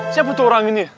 siapa tuh orang ini